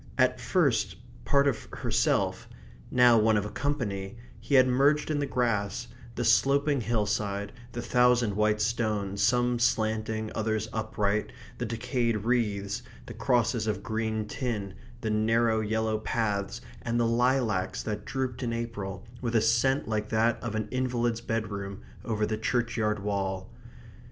At first, part of herself; now one of a company, he had merged in the grass, the sloping hillside, the thousand white stones, some slanting, others upright, the decayed wreaths, the crosses of green tin, the narrow yellow paths, and the lilacs that drooped in April, with a scent like that of an invalid's bedroom, over the churchyard wall.